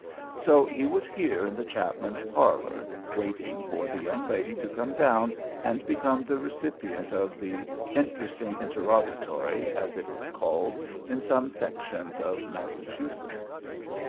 So he was here in the Chapman parlor waiting for the young lady to come down and become the recipient of the "interesting interrogatory," as it is called in some sections of Massachusetts.